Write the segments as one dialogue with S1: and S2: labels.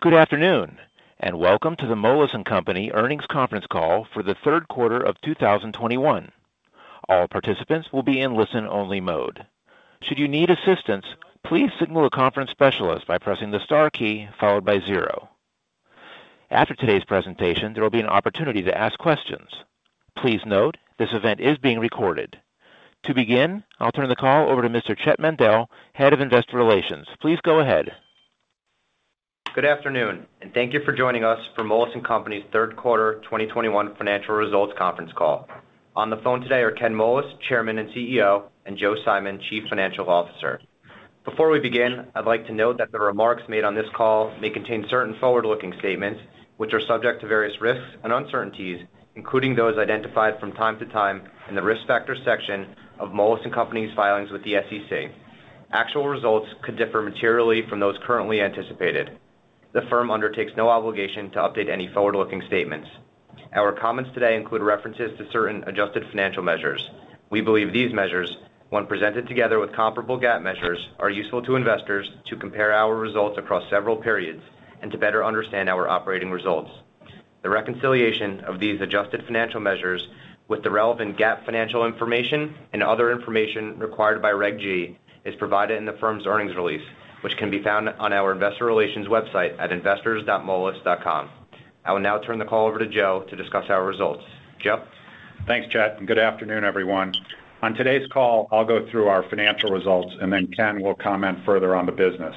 S1: Good afternoon, and welcome to the Moelis & Company Earnings Conference Call for the third quarter of 2021. All participants will be in listen-only mode. Should you need assistance, please signal a conference specialist by pressing the star key followed by zero. After today's presentation, there will be an opportunity to ask questions. Please note, this event is being recorded. To begin, I'll turn the call over to Mr. Chett Mandel, Head of Investor Relations. Please go ahead.
S2: Good afternoon, and thank you for joining us for Moelis & Company's third quarter 2021 financial results conference call. On the phone today are Ken Moelis, Chairman and CEO, and Joe Simon, Chief Financial Officer. Before we begin, I'd like to note that the remarks made on this call may contain certain forward-looking statements, which are subject to various risks and uncertainties, including those identified from time to time in the Risk Factors section of Moelis & Company's filings with the SEC. Actual results could differ materially from those currently anticipated. The firm undertakes no obligation to update any forward-looking statements. Our comments today include references to certain adjusted financial measures. We believe these measures, when presented together with comparable GAAP measures, are useful to investors to compare our results across several periods and to better understand our operating results. The reconciliation of these adjusted financial measures with the relevant GAAP financial information and other information required by Reg G is provided in the firm's earnings release, which can be found on our investor relations website at investors.moelis.com. I will now turn the call over to Joe to discuss our results. Joe?
S3: Thanks, Chett, and good afternoon, everyone. On today's call, I'll go through our financial results, and then Ken will comment further on the business.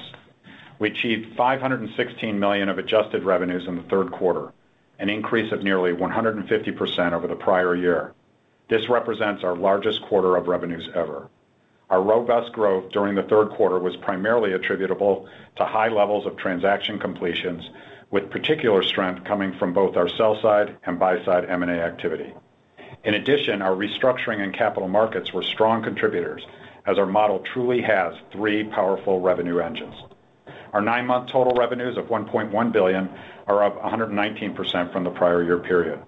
S3: We achieved $516 million of adjusted revenues in the third quarter, an increase of nearly 150% over the prior year. This represents our largest quarter of revenues ever. Our robust growth during the third quarter was primarily attributable to high levels of transaction completions, with particular strength coming from both our sell-side and buy-side M&A activity. In addition, our restructuring and capital markets were strong contributors as our model truly has three powerful revenue engines. Our nine-month total revenues of $1.1 billion are up 119% from the prior year period.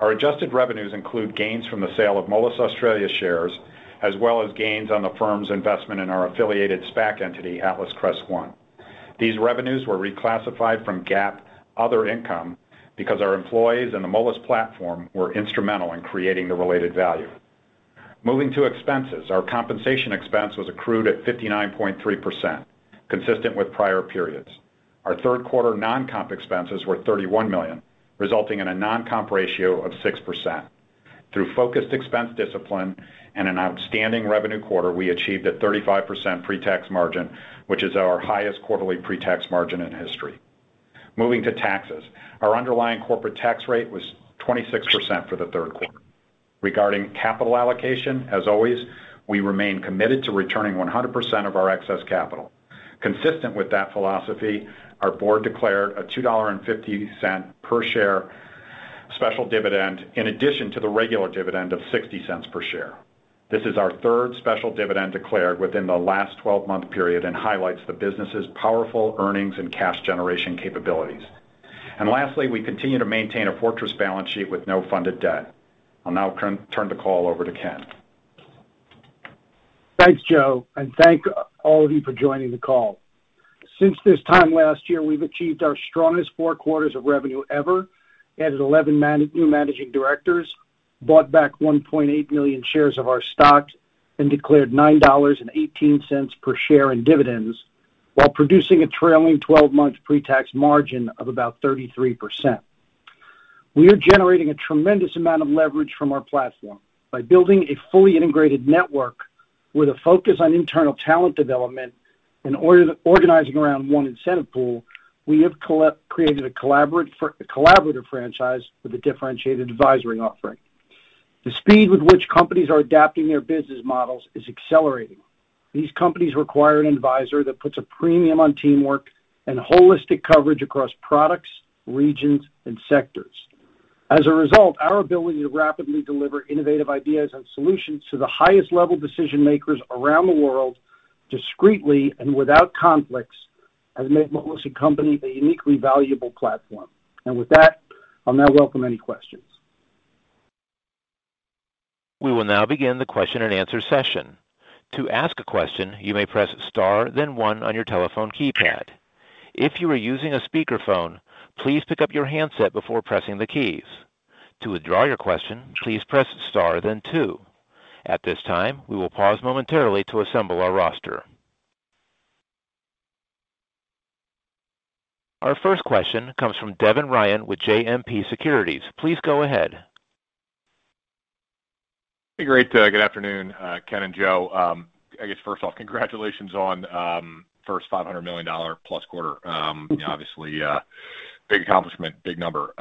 S3: Our adjusted revenues include gains from the sale of Moelis Australia shares, as well as gains on the firm's investment in our affiliated SPAC entity, Atlas Crest One. These revenues were reclassified from GAAP other income because our employees in the Moelis platform were instrumental in creating the related value. Moving to expenses, our compensation expense was accrued at 59.3%, consistent with prior periods. Our third quarter non-comp expenses were $31 million, resulting in a non-comp ratio of 6%. Through focused expense discipline and an outstanding revenue quarter, we achieved a 35% pretax margin, which is our highest quarterly pretax margin in history. Moving to taxes, our underlying corporate tax rate was 26% for the third quarter. Regarding capital allocation, as always, we remain committed to returning 100% of our excess capital. Consistent with that philosophy, our board declared a $2.50 per share special dividend in addition to the regular dividend of $0.60 per share. This is our third special dividend declared within the last 12-month period and highlights the business's powerful earnings and cash generation capabilities. Lastly, we continue to maintain a fortress balance sheet with no funded debt. I'll now turn the call over to Ken.
S4: Thanks, Joe, and thank all of you for joining the call. Since this time last year, we've achieved our strongest four quarters of revenue ever, added 11 new Managing Directors, bought back 1.8 million shares of our stock, and declared $9.18 per share in dividends while producing a trailing 12-month pretax margin of about 33%. We are generating a tremendous amount of leverage from our platform by building a fully integrated network with a focus on internal talent development and organizing around one incentive pool. We have created a collaborative franchise with a differentiated advisory offering. The speed with which companies are adapting their business models is accelerating. These companies require an advisor that puts a premium on teamwork and holistic coverage across products, regions, and sectors. As a result, our ability to rapidly deliver innovative ideas and solutions to the highest level decision-makers around the world discreetly and without conflicts has made Moelis & Company a uniquely valuable platform. With that, I'll now welcome any questions.
S1: We will now begin the question and answer session. To ask a question, you may press star then one on your telephone keypad. If you are using a speakerphone, please pick up your handset before pressing the keys. To withdraw your question, please press star then two. At this time, we will pause momentarily to assemble our roster. Our first question comes from Devin Ryan with JMP Securities. Please go ahead.
S5: Hey, great. Good afternoon, Ken and Joe. I guess first off, congratulations on first $500 million+ quarter. Obviously, big accomplishment, big number.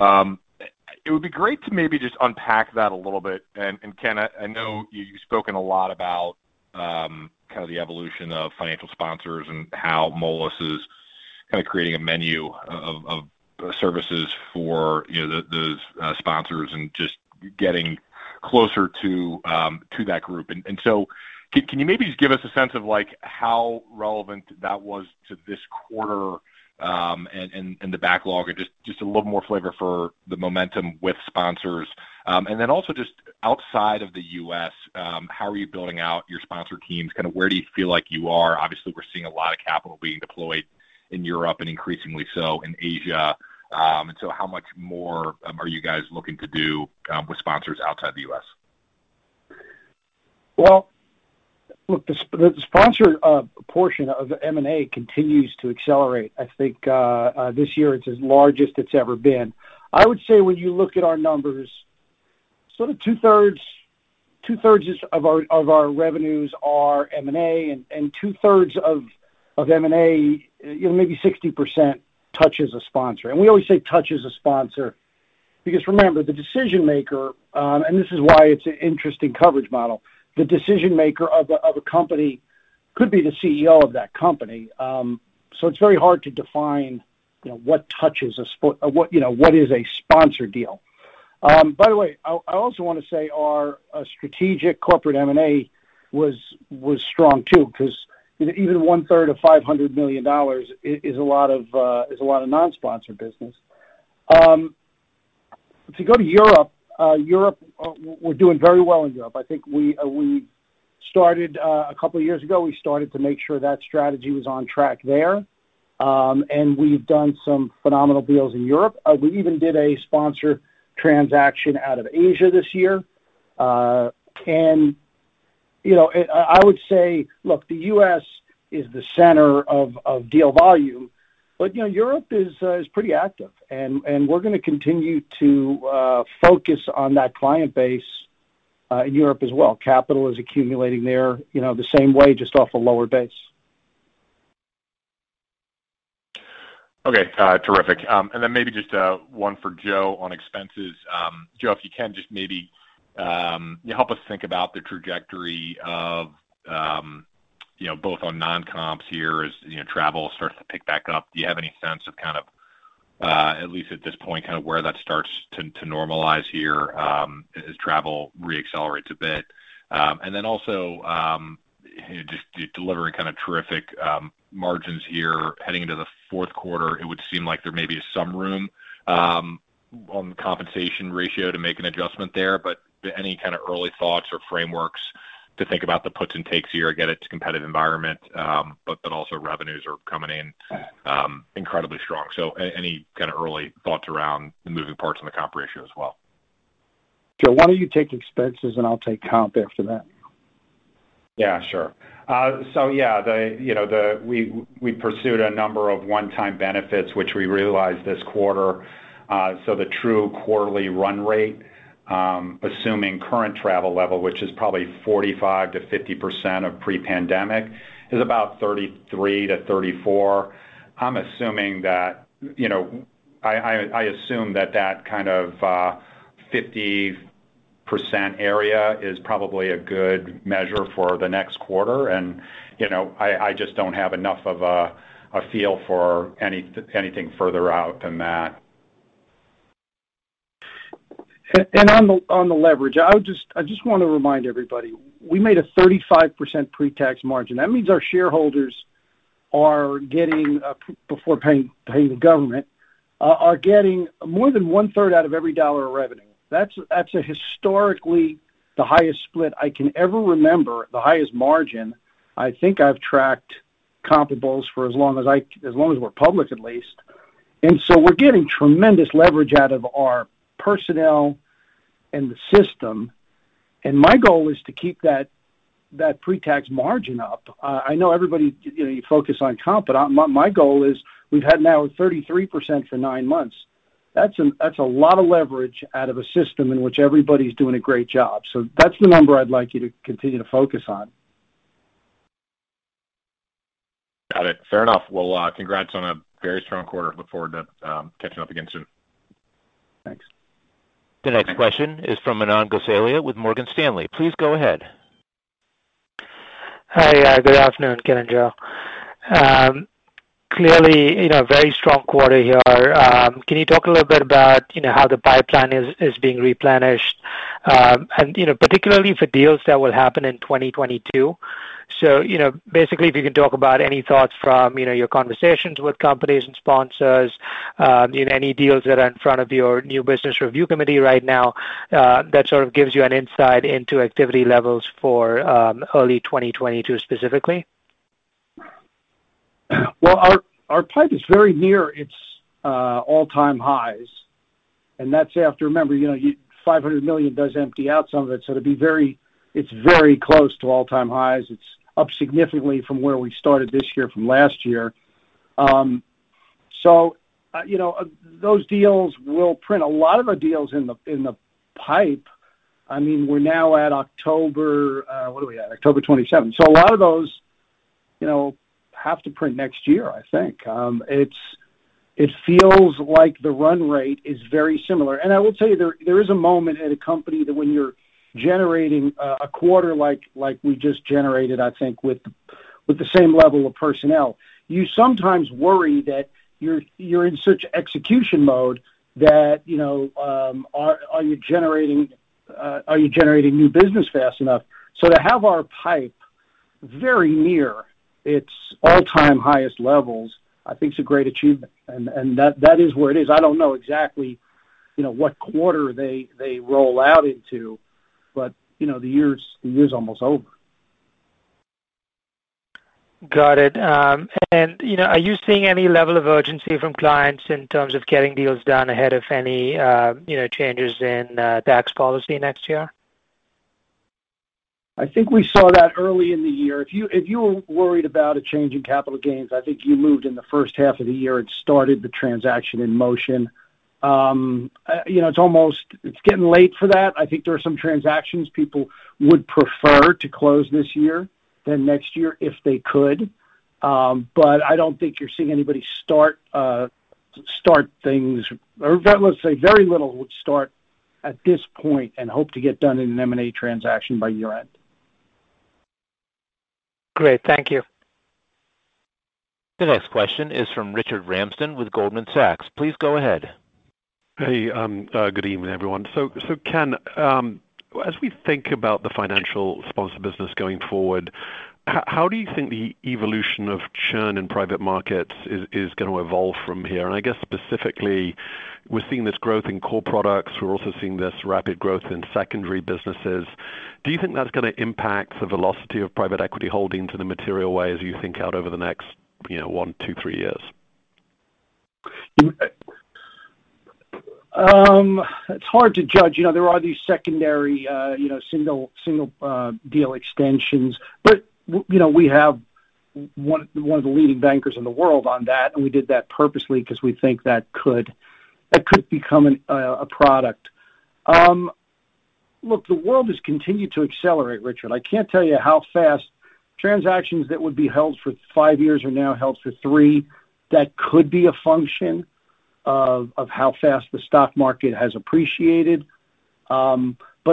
S5: It would be great to maybe just unpack that a little bit. Ken, I know you've spoken a lot about kind of the evolution of financial sponsors and how Moelis is kind of creating a menu of services for, you know, those sponsors and just getting closer to that group. So can you maybe just give us a sense of, like, how relevant that was to this quarter, and the backlog? Or just a little more flavor for the momentum with sponsors. Then also just outside of the U.S., how are you building out your sponsor teams? Kind of, where do you feel like you are? Obviously, we're seeing a lot of capital being deployed in Europe and increasingly so in Asia. How much more are you guys looking to do with sponsors outside the U.S.?
S4: Well, look, the sponsor portion of M&A continues to accelerate. I think this year it's the largest it's ever been. I would say when you look at our numbers, sort of 2/3 of our revenues are M&A and 2/3 of M&A, you know, maybe 60% touches a sponsor. We always say touches a sponsor because remember, the decision-maker. This is why it's an interesting coverage model. The decision-maker of a company could be the CEO of that company. It's very hard to define, you know, what touches a sponsor or what, you know, what is a sponsor deal. By the way, I also wanna say our strategic corporate M&A was strong too, 'cause, you know, even 1/3 of $500 million is a lot of non-sponsor business. If you go to Europe, we're doing very well in Europe. I think we started a couple of years ago to make sure that strategy was on track there. We've done some phenomenal deals in Europe. We even did a sponsor transaction out of Asia this year. You know, I would say, look, the U.S. is the center of deal volume, but, you know, Europe is pretty active, and we're gonna continue to focus on that client base in Europe as well. Capital is accumulating there, you know, the same way, just off a lower base.
S5: Okay. Terrific. Maybe just one for Joe on expenses. Joe, if you can just maybe you know help us think about the trajectory of you know both on non-comps here as you know travel starts to pick back up. Do you have any sense of kind of at least at this point, kind of where that starts to normalize here as travel re-accelerates a bit? Also you know just delivering kind of terrific margins here heading into the fourth quarter, it would seem like there may be some room on the compensation ratio to make an adjustment there. Any kind of early thoughts or frameworks to think about the puts and takes here? I get it's a competitive environment, but also revenues are coming in incredibly strong. Any kind of early thoughts around the moving parts in the comp ratio as well?
S4: Joe, why don't you take expenses and I'll take comp after that?
S3: Yeah, sure. You know, we pursued a number of one-time benefits, which we realized this quarter. The true quarterly run rate, assuming current travel level, which is probably 45%-50% of pre-pandemic, is about 33-34. I'm assuming that, you know, that kind of 50% area is probably a good measure for the next quarter. You know, I just don't have enough of a feel for anything further out than that.
S4: On the leverage, I just wanna remind everybody, we made a 35% pretax margin. That means our shareholders are getting, before paying the government, more than 1/3 out of every $1 of revenue. That's historically the highest split I can ever remember, the highest margin. I think I've tracked comparables for as long as we're public, at least. We're getting tremendous leverage out of our personnel and the system, and my goal is to keep that pretax margin up. I know everybody, you know, you focus on comp, but my goal is we've had now 33% for nine months. That's a lot of leverage out of a system in which everybody's doing a great job. That's the number I'd like you to continue to focus on.
S5: Got it. Fair enough. Well, congrats on a very strong quarter. Look forward to catching up again soon.
S4: Thanks.
S1: The next question is from Manan Gosalia with Morgan Stanley. Please go ahead.
S6: Hi. Good afternoon, Ken and Joe. Clearly, you know, very strong quarter here. Can you talk a little bit about, you know, how the pipeline is being replenished? You know, particularly for deals that will happen in 2022. You know, basically, if you can talk about any thoughts from, you know, your conversations with companies and sponsors, in any deals that are in front of your new business review committee right now, that sort of gives you an insight into activity levels for, early 2022 specifically.
S4: Well, our pipe is very near its all-time highs, and that's after. Remember, you know, $500 million does empty out some of it, so it's very close to all-time highs. It's up significantly from where we started this year from last year. So, you know, those deals will print. A lot of our deals in the pipe, I mean, we're now at October 27. So a lot of those, you know, have to print next year, I think. It feels like the run rate is very similar. I will tell you, there is a moment at a company that when you're generating a quarter like we just generated, I think with the same level of personnel. You sometimes worry that you're in such execution mode that, you know, are you generating new business fast enough? To have our pipeline very near its all-time highest levels, I think is a great achievement. That is where it is. I don't know exactly, you know, what quarter they roll out into, but, you know, the year's almost over.
S6: Got it. You know, are you seeing any level of urgency from clients in terms of getting deals done ahead of any you know, changes in tax policy next year?
S4: I think we saw that early in the year. If you were worried about a change in capital gains, I think you moved in the first half of the year and started the transaction in motion. You know, it's almost getting late for that. I think there are some transactions people would prefer to close this year than next year if they could. I don't think you're seeing anybody start things or let's say very little would start at this point and hope to get done in an M&A transaction by year-end.
S6: Great. Thank you.
S1: The next question is from Richard Ramsden with Goldman Sachs. Please go ahead.
S7: Hey, good evening, everyone. Ken, as we think about the financial sponsor business going forward, how do you think the evolution of churn in private markets is gonna evolve from here? I guess specifically, we're seeing this growth in core products, we're also seeing this rapid growth in secondary businesses. Do you think that's gonna impact the velocity of private equity holdings in a material way as you think out over the next, you know, one, two, three years?
S4: It's hard to judge. You know, there are these secondary, you know, single deal extensions. You know, we have one of the leading bankers in the world on that, and we did that purposely because we think that could become a product. Look, the world has continued to accelerate, Richard. I can't tell you how fast transactions that would be held for five years are now held for three. That could be a function of how fast the stock market has appreciated.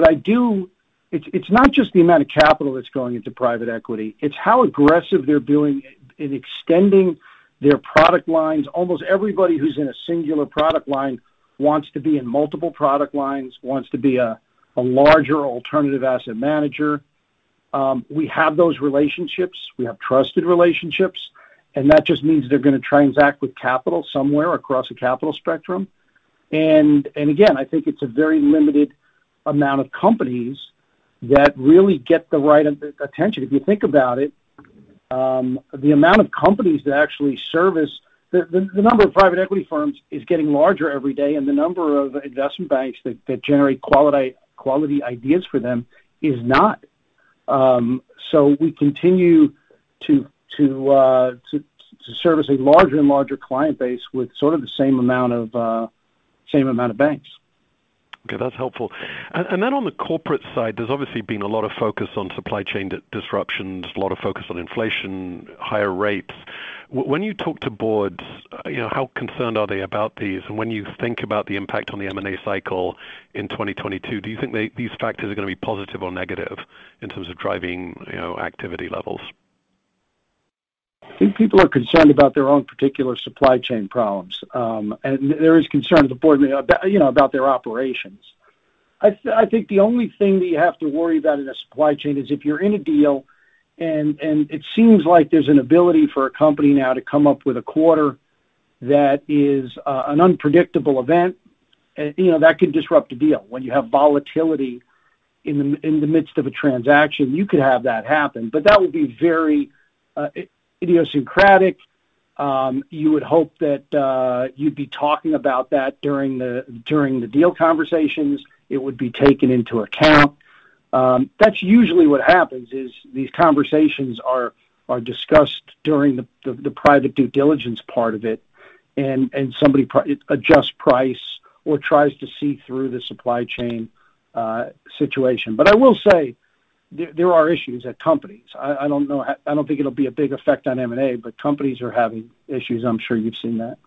S4: I do. It's not just the amount of capital that's going into private equity, it's how aggressive they're being in extending their product lines. Almost everybody who's in a singular product line wants to be in multiple product lines, wants to be a larger alternative asset manager. We have those relationships. We have trusted relationships, and that just means they're gonna transact with capital somewhere across a capital spectrum. Again, I think it's a very limited amount of companies that really get the right attention. If you think about it, the number of private equity firms is getting larger every day, and the number of investment banks that generate quality ideas for them is not. We continue to service a larger and larger client base with sort of the same amount of banks.
S7: Okay, that's helpful. On the corporate side, there's obviously been a lot of focus on supply chain disruption. There's a lot of focus on inflation, higher rates. When you talk to boards, you know, how concerned are they about these? When you think about the impact on the M&A cycle in 2022, do you think these factors are gonna be positive or negative in terms of driving, you know, activity levels?
S4: I think people are concerned about their own particular supply chain problems. There is concern at the board level about, you know, about their operations. I think the only thing that you have to worry about in a supply chain is if you're in a deal and it seems like there's an ability for a company now to come up with a quarter that is an unpredictable event. You know, that can disrupt a deal. When you have volatility in the midst of a transaction, you could have that happen. But that would be very idiosyncratic. You would hope that you'd be talking about that during the deal conversations. It would be taken into account. That's usually what happens. These conversations are discussed during the private due diligence part of it and somebody pre-adjusts price or tries to see through the supply chain situation. I will say there are issues at companies. I don't know. I don't think it'll be a big effect on M&A, but companies are having issues. I'm sure you've seen that.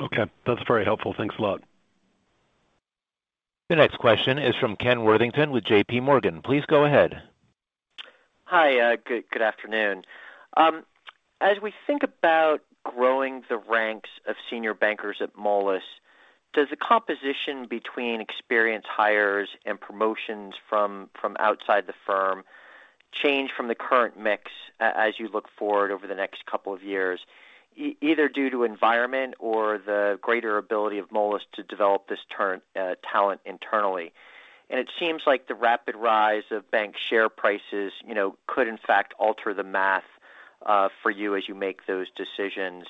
S7: Okay. That's very helpful. Thanks a lot.
S1: The next question is from Ken Worthington with JPMorgan. Please go ahead.
S8: Hi. Good afternoon. As we think about growing the ranks of senior bankers at Moelis, does the composition between experienced hires and promotions from outside the firm change from the current mix as you look forward over the next couple of years, either due to environment or the greater ability of Moelis to develop its own talent internally? It seems like the rapid rise of bank share prices, you know, could in fact alter the math for you as you make those decisions.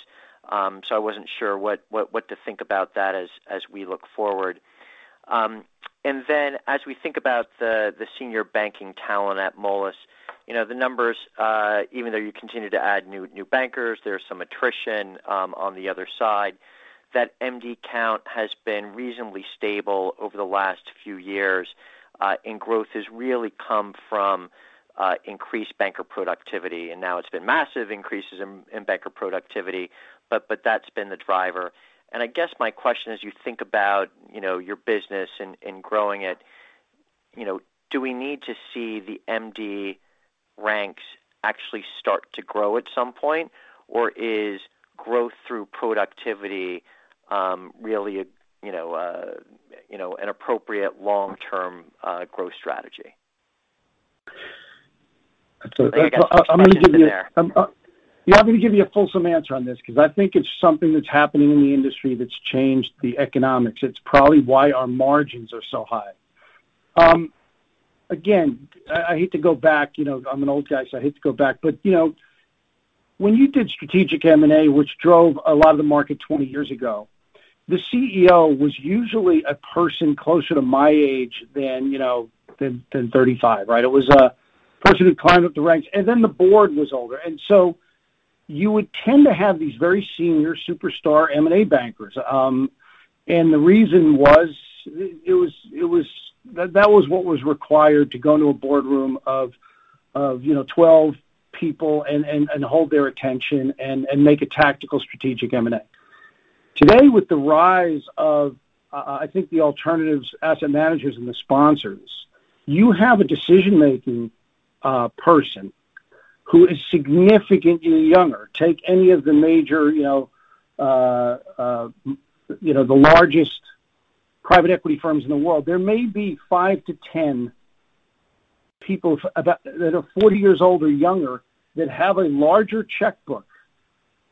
S8: I wasn't sure what to think about that as we look forward. As we think about the senior banking talent at Moelis, you know, the numbers, even though you continue to add new bankers, there's some attrition on the other side. That MD count has been reasonably stable over the last few years, and growth has really come from increased banker productivity. Now it's been massive increases in banker productivity, but that's been the driver. I guess my question as you think about, you know, your business and growing it. You know, do we need to see the MD ranks actually start to grow at some point, or is growth through productivity really a, you know, a, you know, an appropriate long-term growth strategy? I think I got two questions in there.
S4: I'm gonna give you a fulsome answer on this because I think it's something that's happening in the industry that's changed the economics. It's probably why our margins are so high. Again, I hate to go back, you know, I'm an old guy, so I hate to go back, but you know, when you did strategic M&A, which drove a lot of the market 20 years ago, the CEO was usually a person closer to my age than you know than 35, right? It was a person who climbed up the ranks, and then the board was older. So you would tend to have these very senior superstar M&A bankers. The reason was it was. That was what was required to go into a boardroom of, you know, 12 people and hold their attention and make a tactical strategic M&A. Today, with the rise of, I think the alternative asset managers and the sponsors, you have a decision-making person who is significantly younger. Take any of the major, you know, the largest private equity firms in the world. There may be 5-10 people that are 40 years old or younger that have a larger checkbook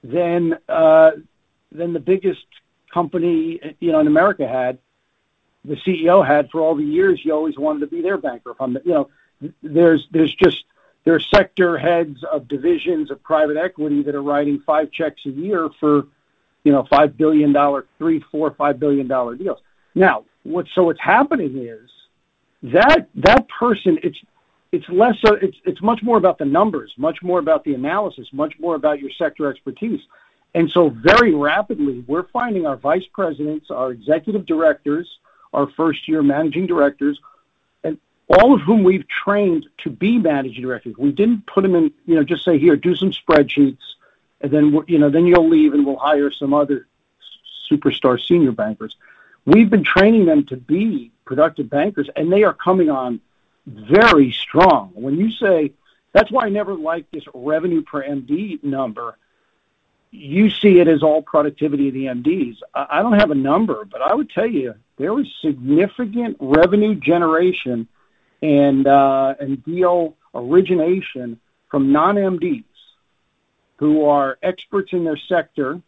S4: than the biggest company, you know, in America had the CEO had for all the years you always wanted to be their banker from the. You know, there's just. There are sector heads of divisions of private equity that are writing five checks a year for, you know, $5 billion, $3, $4, $5 billion deals. Now, what's happening is that person, it's much more about the numbers, much more about the analysis, much more about your sector expertise. Very rapidly, we're finding our vice presidents, our executive directors, our first-year managing directors, and all of whom we've trained to be managing directors. We didn't put them in. You know, just say, "Here, do some spreadsheets, and then, you know, you'll leave, and we'll hire some other superstar senior bankers." We've been training them to be productive bankers, and they are coming on very strong. When you say. That's why I never liked this revenue per MD number. You see it as all productivity of the MDs. I don't have a number, but I would tell you there is significant revenue generation and deal origination from non-MDs who are experts in their sector.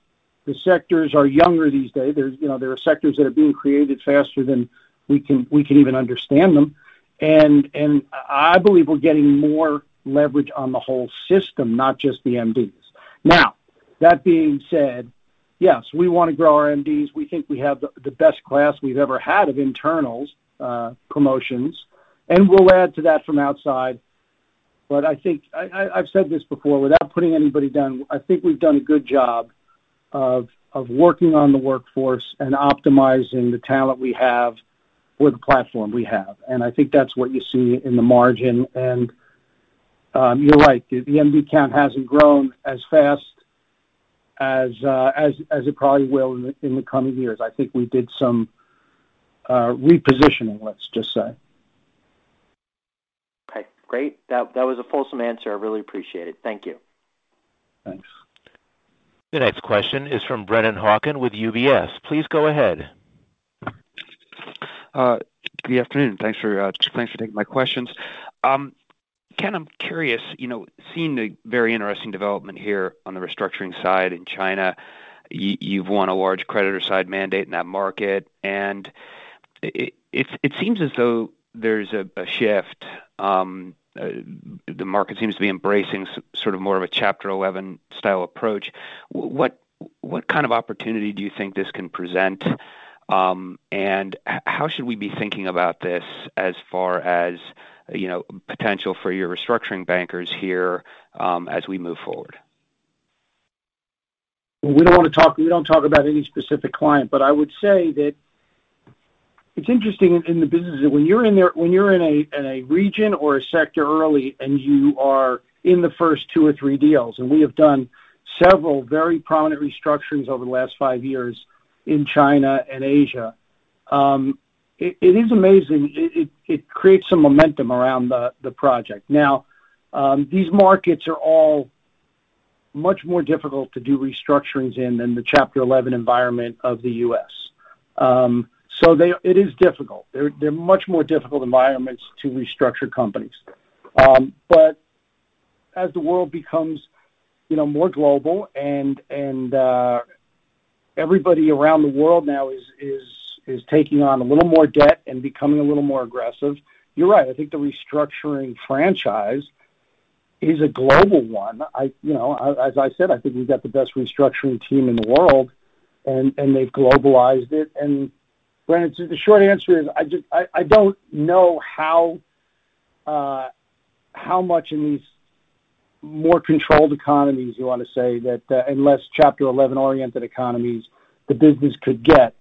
S4: The sectors are younger these days. There's, you know, there are sectors that are being created faster than we can even understand them. I believe we're getting more leverage on the whole system, not just the MDs. Now, that being said, yes, we wanna grow our MDs. We think we have the best class we've ever had of internal promotions, and we'll add to that from outside. I think I've said this before, without putting anybody down, I think we've done a good job of working on the workforce and optimizing the talent we have with the platform we have. I think that's what you see in the margin. You're right. The MD count hasn't grown as fast as it probably will in the coming years. I think we did some repositioning, let's just say.
S8: Okay, great. That was a fulsome answer. I really appreciate it. Thank you.
S4: Thanks.
S1: The next question is from Brennan Hawken with UBS. Please go ahead.
S9: Good afternoon. Thanks for taking my questions. Ken, I'm curious, you know, seeing the very interesting development here on the restructuring side in China, you've won a large creditor side mandate in that market, and it seems as though there's a shift. The market seems to be embracing sort of more of a Chapter 11 style approach. What kind of opportunity do you think this can present? And how should we be thinking about this as far as, you know, potential for your restructuring bankers here, as we move forward?
S4: We don't wanna talk, we don't talk about any specific client, but I would say that it's interesting in the business that when you're in a region or a sector early and you are in the first two or three deals, and we have done several very prominent restructurings over the last five years in China and Asia. It creates some momentum around the project. Now, these markets are all much more difficult to do restructurings in than the Chapter 11 environment of the U.S. It is difficult. They're much more difficult environments to restructure companies. As the world becomes, you know, more global and, everybody around the world now is taking on a little more debt and becoming a little more aggressive, you're right. I think the restructuring franchise is a global one. I, you know, as I said, I think we've got the best restructuring team in the world, and they've globalized it. Brennan, the short answer is I don't know how much in these more controlled economies you wanna say that, and less Chapter 11-oriented economies the business could get,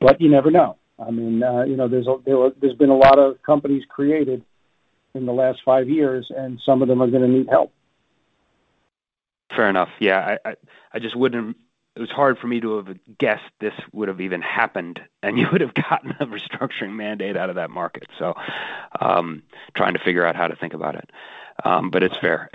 S4: but you never know. I mean, you know, there's been a lot of companies created in the last five years, and some of them are gonna need help.
S9: Fair enough. Yeah. It was hard for me to have guessed this would have even happened and you would have gotten a restructuring mandate out of that market. Trying to figure out how to think about it. It's fair.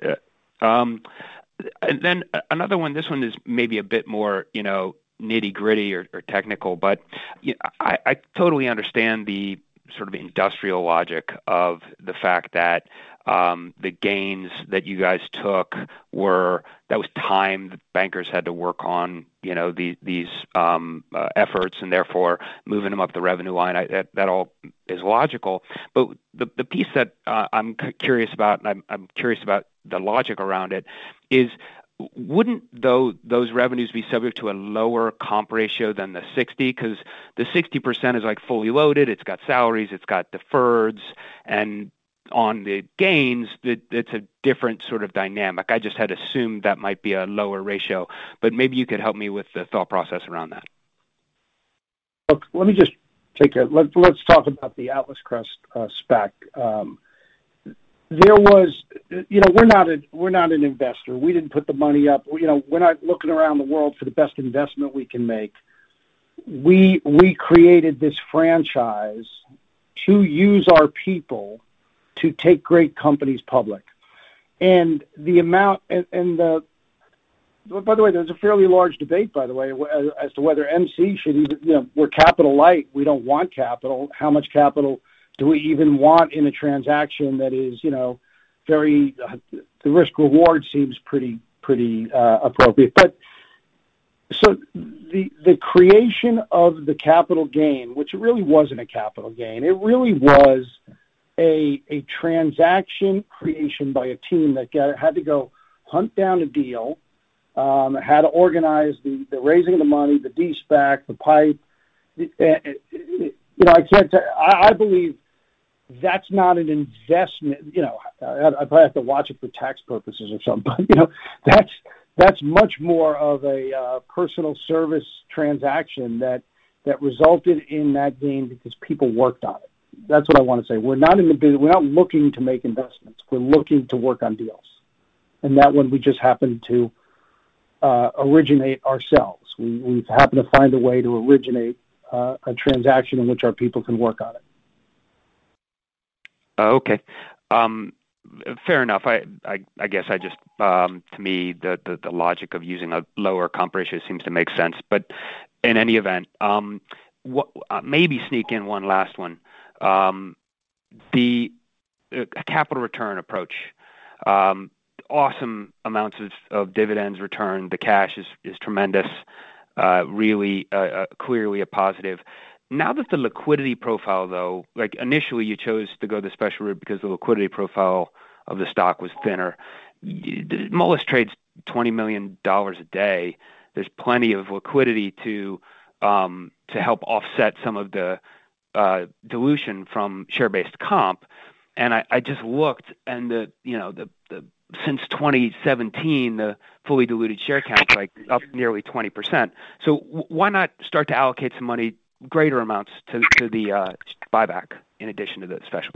S9: Then another one. This one is maybe a bit more, you know, nitty-gritty or technical, but you know, I totally understand the sort of industrial logic of the fact that the gains that you guys took. That was time bankers had to work on, you know, these efforts and therefore moving them up the revenue line. That all is logical. The piece that I'm curious about, and I'm curious about the logic around it, is wouldn't those revenues be subject to a lower comp ratio than the 60? 'Cause the 60% is, like, fully loaded. It's got salaries, it's got deferreds. On the gains, that's a different sort of dynamic. I just had assumed that might be a lower ratio, but maybe you could help me with the thought process around that.
S4: Look, let me just take a. Let's talk about the Atlas Crest SPAC. You know, we're not an investor. We didn't put the money up. You know, we're not looking around the world for the best investment we can make. We created this franchise to use our people to take great companies public. And the amount. By the way, there's a fairly large debate as to whether MC should even. You know, we're capital light. We don't want capital. How much capital do we even want in a transaction that is, you know, very. The risk reward seems pretty appropriate. The creation of the capital gain, which really wasn't a capital gain, it really was a transaction creation by a team that had to go hunt down a deal, had to organize the raising of the money, the de-SPAC, the PIPE. You know, I can't I believe that's not an investment. You know, I probably have to watch it for tax purposes or something, but you know, that's much more of a personal service transaction that resulted in that gain because people worked on it. That's what I wanna say. We're not in the business. We're not looking to make investments. We're looking to work on deals. That one we just happened to originate ourselves. We happened to find a way to originate a transaction in which our people can work on it.
S9: Okay. Fair enough. I guess, to me, the logic of using a lower comp ratio seems to make sense. In any event, maybe sneak in one last one. The capital return approach, enormous amounts of dividends returned. The cash is tremendous. Really, clearly a positive. Now, the liquidity profile, though, like initially you chose to go the Special route because the liquidity profile of the stock was thinner. Moelis trades $20 million a day. There's plenty of liquidity to help offset some of the dilution from share-based comp. I just looked and you know, since 2017, the fully diluted share count is like up nearly 20%. Why not start to allocate some money, greater amounts to the buyback in addition to the special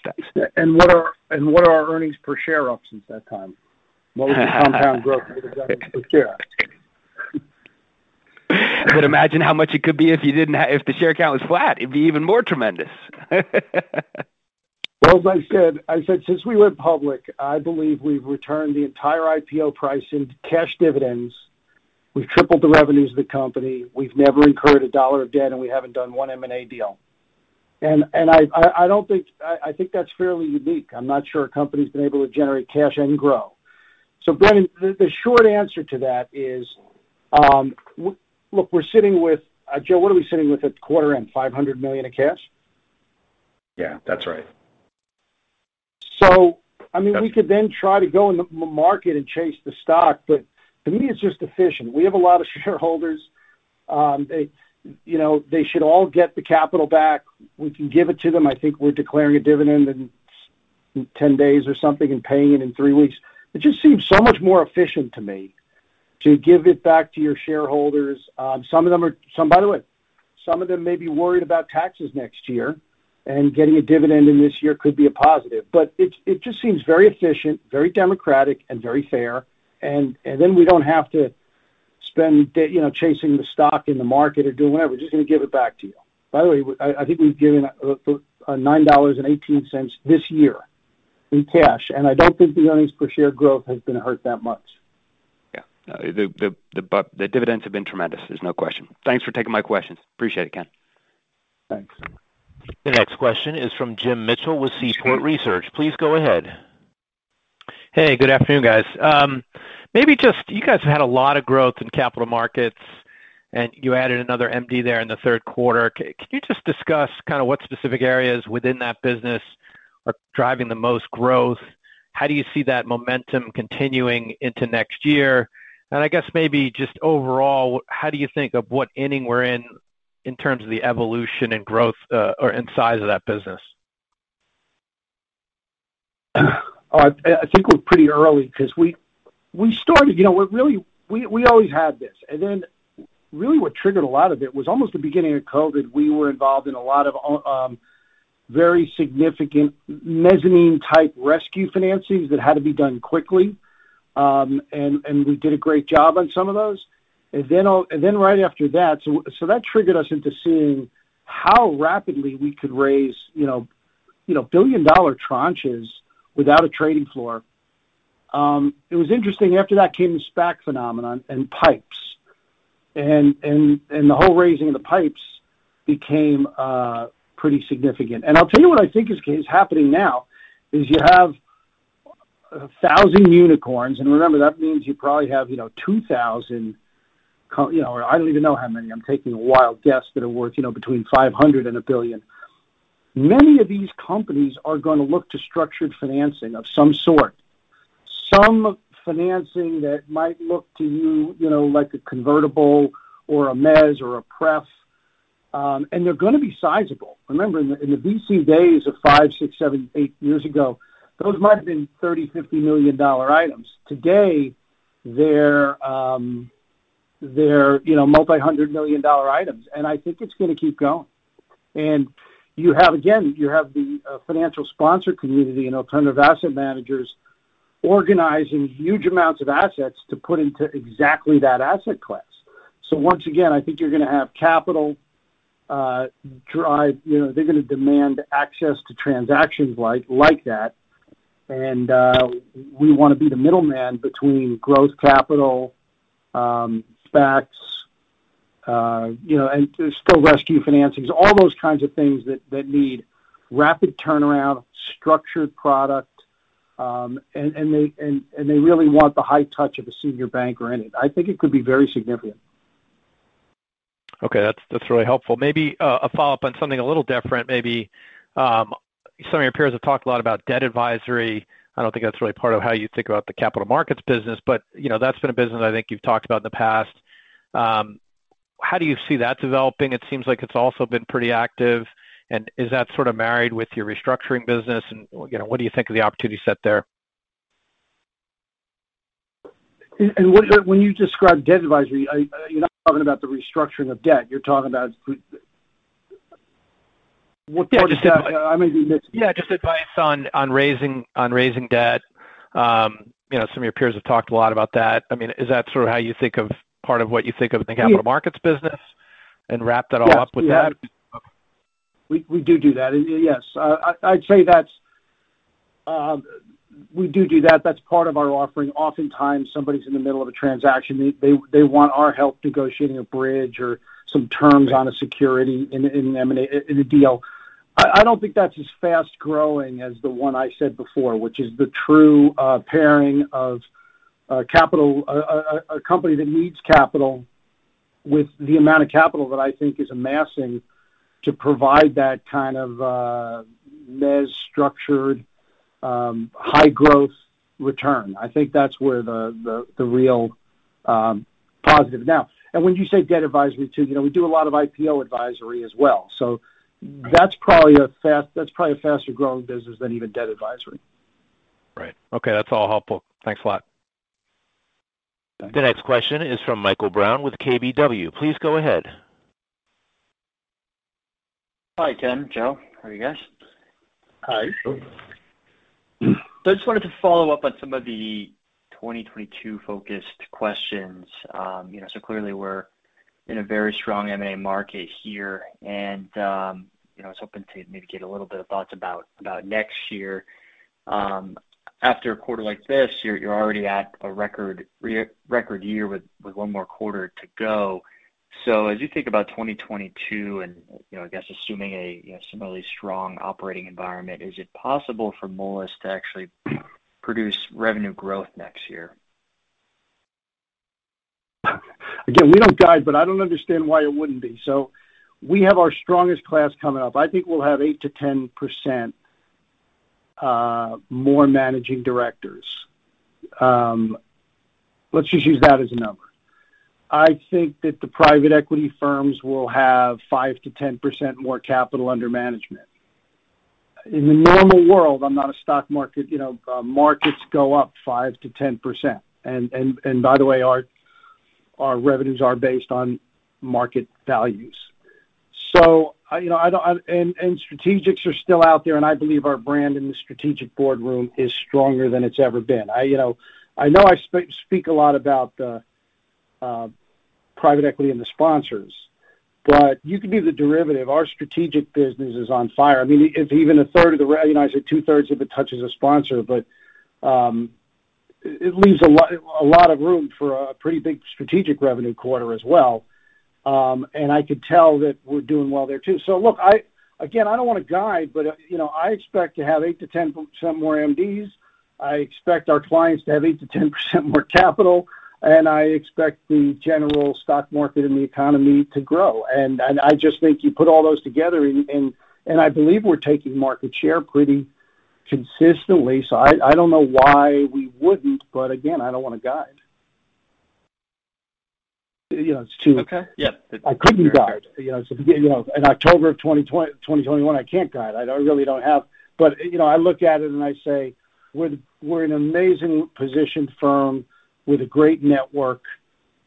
S9: steps?
S4: What are our earnings per share up since that time? What was the compound growth per share?
S9: Imagine how much it could be if the share count was flat, it'd be even more tremendous.
S4: Well, as I said, since we went public, I believe we've returned the entire IPO price into cash dividends. We've tripled the revenues of the company. We've never incurred a dollar of debt, and we haven't done one M&A deal. I think that's fairly unique. I'm not sure a company's been able to generate cash and grow. Brennan, the short answer to that is, look, we're sitting with Joe, what are we sitting with at the quarter end? $500 million in cash?
S3: Yeah, that's right.
S4: I mean, we could then try to go in the market and chase the stock. To me, it's just efficient. We have a lot of shareholders. They, you know, should all get the capital back. We can give it to them. I think we're declaring a dividend in 10 days or something and paying it in three weeks. It just seems so much more efficient to me to give it back to your shareholders. Some of them, by the way, may be worried about taxes next year, and getting a dividend in this year could be a positive. It just seems very efficient, very democratic and very fair. Then we don't have to spend you know, chasing the stock in the market or doing whatever. We're just gonna give it back to you. By the way, I think we've given for $9.18 this year in cash, and I don't think the earnings per share growth has been hurt that much.
S9: Yeah. The dividends have been tremendous. There's no question. Thanks for taking my questions. Appreciate it, Ken.
S4: Thanks.
S1: The next question is from Jim Mitchell with Seaport Research. Please go ahead.
S10: Hey, good afternoon, guys. Maybe just you guys have had a lot of growth in capital markets, and you added another MD there in the third quarter. Can you just discuss kind of what specific areas within that business are driving the most growth? How do you see that momentum continuing into next year? I guess maybe just overall, how do you think of what inning we're in terms of the evolution and growth or and size of that business?
S4: I think we're pretty early 'cause we started. You know, we always had this and then really what triggered a lot of it was almost the beginning of COVID. We were involved in a lot of very significant mezzanine-type rescue financings that had to be done quickly. We did a great job on some of those. Right after that triggered us into seeing how rapidly we could raise, you know, billion-dollar tranches without a trading floor. It was interesting. After that came the SPAC phenomenon and PIPEs. The whole raising of the PIPEs became pretty significant. I'll tell you what I think is happening now is you have 1,000 unicorns, and remember that means you probably have, you know, 2,000. You know, I don't even know how many, I'm taking a wild guess, that are worth, you know, between 500 and 1 billion. Many of these companies are gonna look to structured financing of some sort. Some financing that might look to you know, like a convertible or a mezz or a pref, and they're gonna be sizable. Remember, in the VC days of five, six, seven, eight years ago, those might have been $30 million, $50 million items. Today, they're you know, multi-hundred million dollar items. I think it's gonna keep going. You have, again, the financial sponsor community and alternative asset managers organizing huge amounts of assets to put into exactly that asset class. Once again, I think you're gonna have capital. You know, they're gonna demand access to transactions like that. We wanna be the middleman between growth capital, SPACs, and there's still rescue financings. All those kinds of things that need rapid turnaround, structured product, and they really want the high touch of a senior banker in it. I think it could be very significant.
S10: Okay. That's really helpful. Maybe a follow-up on something a little different. Maybe some of your peers have talked a lot about debt advisory. I don't think that's really part of how you think about the capital markets business, but, you know, that's been a business I think you've talked about in the past. How do you see that developing? It seems like it's also been pretty active. Is that sort of married with your restructuring business? You know, what do you think of the opportunity set there?
S4: When you describe debt advisory, are you're not talking about the restructuring of debt? You're talking about p- I may be mistaken.
S10: Yeah, just advice on raising debt. You know, some of your peers have talked a lot about that. I mean, is that sort of how you think of part of what you think of the capital markets business and wrap that all up with that?
S4: Yes. We do that. Yes. I'd say that's part of our offering. Oftentimes, somebody's in the middle of a transaction. They want our help negotiating a bridge or some terms on a security in an M&A deal. I don't think that's as fast-growing as the one I said before, which is the true pairing a company that needs capital with the amount of capital that I think is amassing to provide that kind of mezz structured high growth return. I think that's where the real positive. Now, when you say debt advisory too, you know, we do a lot of IPO advisory as well. That's probably a faster-growing business than even debt advisory.
S10: Right. Okay. That's all helpful. Thanks a lot.
S4: Thank you.
S1: The next question is from Michael Brown with KBW. Please go ahead.
S11: Hi, Ken, Joe. How are you guys?
S4: Hi.
S3: Hello.
S11: I just wanted to follow up on some of the 2022-focused questions. Clearly we're in a very strong M&A market here and I was hoping to maybe get a little bit of thoughts about next year. After a quarter like this, you're already at a record year with one more quarter to go. As you think about 2022 and I guess assuming a similarly strong operating environment, is it possible for Moelis to actually produce revenue growth next year?
S4: Again, we don't guide, but I don't understand why it wouldn't be. We have our strongest class coming up. I think we'll have 8%-10% more managing directors. Let's just use that as a number. I think that the private equity firms will have 5%-10% more capital under management. In a normal world, I'm not a stock market, you know, markets go up 5%-10%. And by the way, our revenues are based on market values. And strategics are still out there, and I believe our brand in the strategic boardroom is stronger than it's ever been. I know I speak a lot about the private equity and the sponsors, but you could be the derivative. Our strategic business is on fire. I mean, if even a third, I know I said 2/3 of it touches a sponsor, but it leaves a lot of room for a pretty big strategic revenue quarter as well. I could tell that we're doing well there too. Look, I again don't wanna guide, but you know, I expect to have 8%-10% more MDs. I expect our clients to have 8%-10% more capital, and I expect the general stock market and the economy to grow. I just think you put all those together and I believe we're taking market share pretty consistently. I don't know why we wouldn't, but again, I don't wanna guide. You know, it's too
S11: Okay. Yeah.
S4: I couldn't guide. You know, you know, in October of 2021, I can't guide. I really don't have. You know, I look at it and I say we're an amazingly positioned firm with a great network.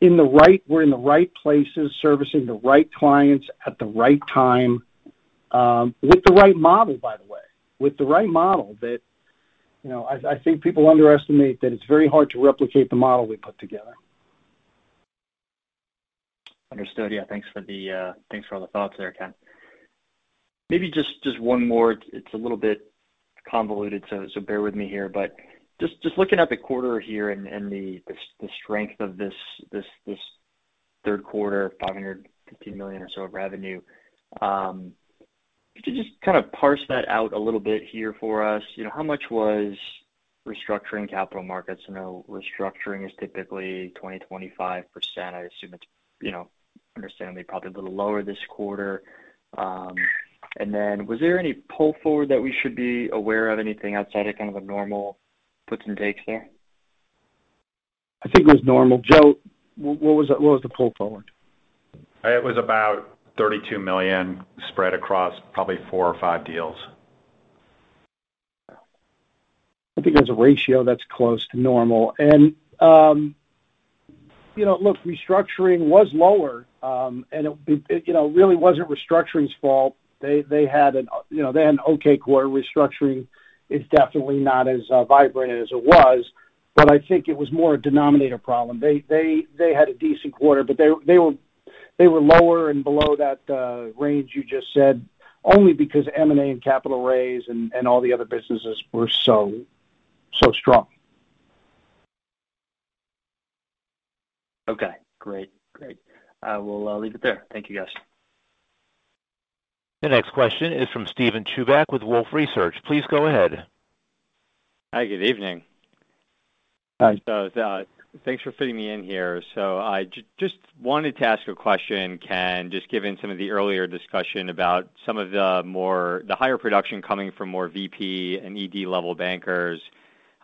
S4: We're in the right places, servicing the right clients at the right time, with the right model, by the way. With the right model that, you know, I think people underestimate that it's very hard to replicate the model we put together.
S11: Understood. Yeah, thanks for all the thoughts there, Ken. Maybe just one more. It's a little bit convoluted, so bear with me here. Just looking at the quarter here and the strength of this third quarter, $550 million or so of revenue. Could you just kinda parse that out a little bit here for us? You know, how much was restructuring capital markets? I know restructuring is typically 20%-25%. I assume it's, you know, understandably probably a little lower this quarter. And then was there any pull forward that we should be aware of? Anything outside of kind of a normal puts and takes there?
S4: I think it was normal. Joe, what was the pull forward?
S3: It was about $32 million spread across probably four or five deals.
S4: I think as a ratio that's close to normal. You know, look, restructuring was lower, and it you know really wasn't restructuring's fault. They had an okay quarter. Restructuring is definitely not as vibrant as it was, but I think it was more a denominator problem. They had a decent quarter, but they were lower and below that range you just said, only because M&A and capital raise and all the other businesses were so strong.
S11: Okay, great. Great. I will leave it there. Thank you, guys.
S1: The next question is from Steven Chubak with Wolfe Research. Please go ahead.
S12: Hi, good evening.
S4: Hi.
S12: Thanks for fitting me in here. I just wanted to ask a question, Ken, just given some of the earlier discussion about some of the more the higher production coming from more VP and ED level bankers.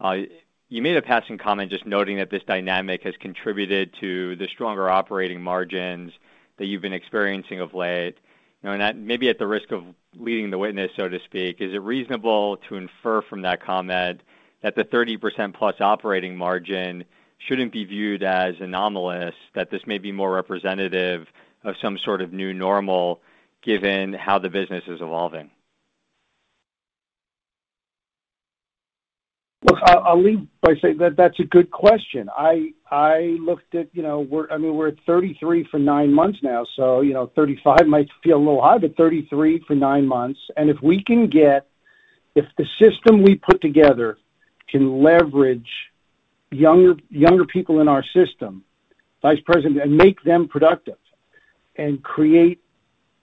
S12: You made a passing comment just noting that this dynamic has contributed to the stronger operating margins that you've been experiencing of late. You know, and that maybe at the risk of leading the witness, so to speak, is it reasonable to infer from that comment that the 30%+ operating margin shouldn't be viewed as anomalous, that this may be more representative of some sort of new normal given how the business is evolving?
S4: Look, I'll lead by saying that's a good question. I looked at, you know, I mean, we're at 33 for nine months now, so you know, 35 might feel a little high, but 33 for nine months. If the system we put together can leverage younger people in our system, vice president, and make them productive and create.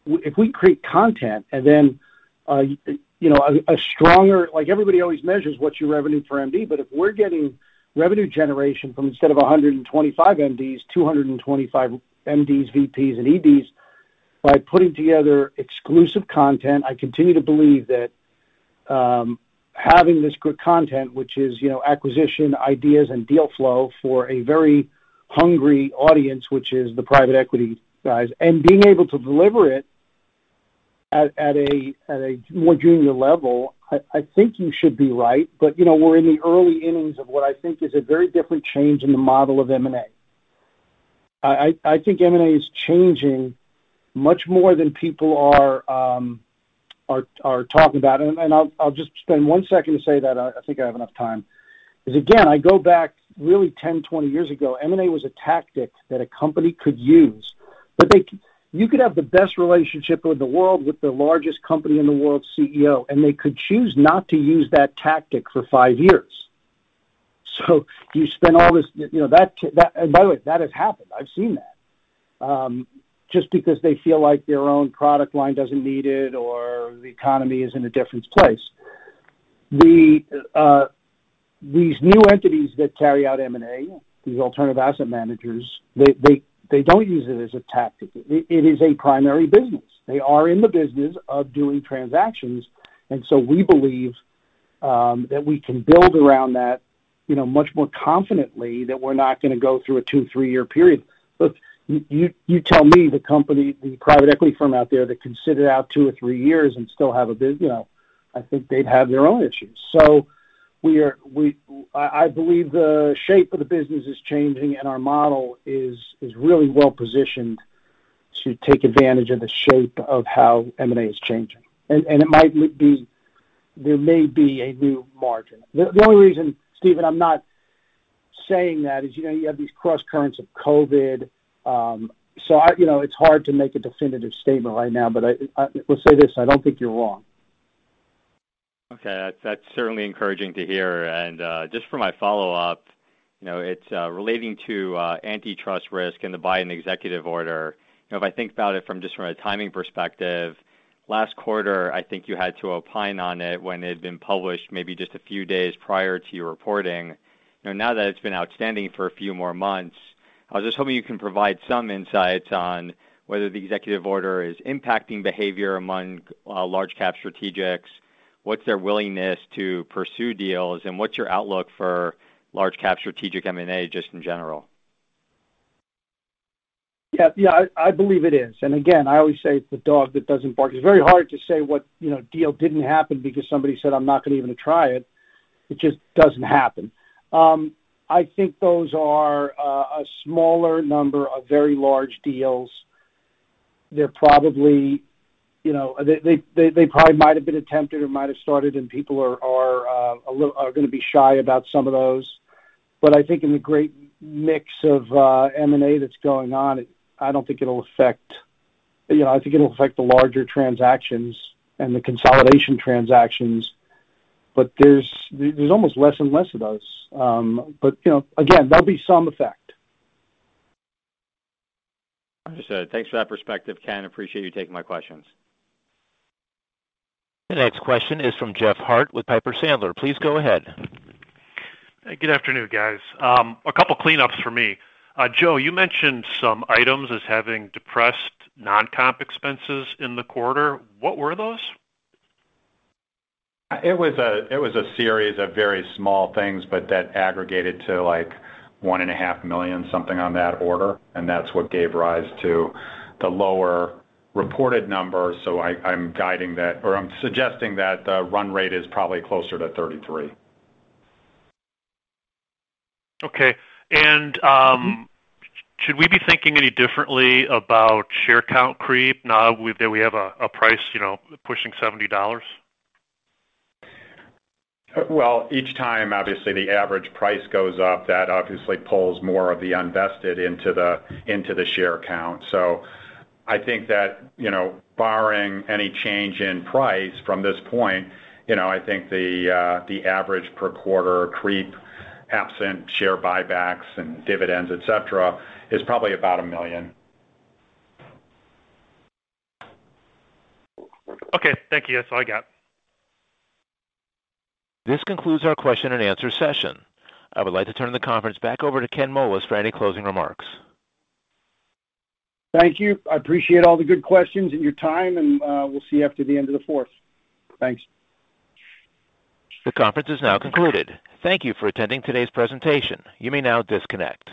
S4: If we create content and then, you know, a stronger. Like, everybody always measures what's your revenue for MD. If we're getting revenue generation from instead of 125 MDs, 225 MDs, VPs, and EDs by putting together exclusive content, I continue to believe that, having this good content, which is, you know, acquisition, ideas, and deal flow for a very hungry audience, which is the private equity guys, and being able to deliver it at a more junior level, I think you should be right. You know, we're in the early innings of what I think is a very different change in the model of M&A. I think M&A is changing much more than people are talking about. I'll just spend one second to say that I think I have enough time. 'Cause again, I go back really 10, 20 years ago, M&A was a tactic that a company could use. You could have the best relationship with the world, with the largest company in the world's CEO, and they could choose not to use that tactic for five years. You spend all this, you know, and by the way, that has happened. I've seen that just because they feel like their own product line doesn't need it or the economy is in a different place. These new entities that carry out M&A, these alternative asset managers, they don't use it as a tactic. It is a primary business. They are in the business of doing transactions. We believe that we can build around that, you know, much more confidently, that we're not gonna go through a two or three-year period. Look, you tell me the company, the private equity firm out there that can sit it out two or three years and still have, you know, I think they'd have their own issues. I believe the shape of the business is changing, and our model is really well-positioned to take advantage of the shape of how M&A is changing. It might be. There may be a new margin. The only reason, Steven, I'm not saying that is, you know, you have these crosscurrents of COVID. You know, it's hard to make a definitive statement right now, but I will say this, I don't think you're wrong.
S12: Okay. That's certainly encouraging to hear. Just for my follow-up, you know, it's relating to antitrust risk and the Biden executive order. You know, if I think about it from a timing perspective, last quarter, I think you had to opine on it when it had been published maybe just a few days prior to your reporting. You know, now that it's been outstanding for a few more months, I was just hoping you can provide some insights on whether the executive order is impacting behavior among large cap strategics. What's their willingness to pursue deals, and what's your outlook for large cap strategic M&A just in general?
S4: Yeah, I believe it is. I always say it's the dog that doesn't bark. It's very hard to say what deal didn't happen because somebody said, "I'm not gonna even try it." It just doesn't happen. I think those are a smaller number of very large deals. They're probably, you know, might have been attempted or might have started and people are gonna be shy about some of those. I think in the great mix of M&A that's going on, I don't think it'll affect. You know, I think it'll affect the larger transactions and the consolidation transactions, but there's almost less and less of those. You know, again, there'll be some effect.
S12: Understood. Thanks for that perspective, Ken. Appreciate you taking my questions.
S1: The next question is from Jeff Harte with Piper Sandler. Please go ahead.
S13: Good afternoon, guys. A couple cleanups for me. Joe, you mentioned some items as having depressed non-comp expenses in the quarter. What were those?
S3: It was a series of very small things, but that aggregated to, like, $1.5 million, something on that order, and that's what gave rise to the lower reported numbers. I'm guiding that, or I'm suggesting that the run rate is probably closer to $33.
S13: Should we be thinking any differently about share count creep now with that we have a price, you know, pushing $70?
S3: Well, each time, obviously, the average price goes up, that obviously pulls more of the unvested into the share count. I think that, you know, barring any change in price from this point, you know, I think the average per quarter creep, absent share buybacks and dividends, et cetera, is probably about 1 million.
S13: Okay. Thank you. That's all I got.
S1: This concludes our question and answer session. I would like to turn the conference back over to Ken Moelis for any closing remarks.
S4: Thank you. I appreciate all the good questions and your time, and we'll see you after the end of the fourth. Thanks.
S1: The conference is now concluded. Thank you for attending today's presentation. You may now disconnect.